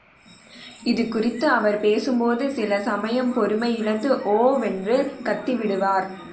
இது குறித்து அவர் பேசும்போது, சில சமயம் பொறுமை இழந்து ஓ வென்று கத்தி விடுவார்.